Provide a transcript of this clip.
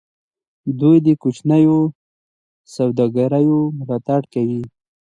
دوی د کوچنیو سوداګریو ملاتړ کوي.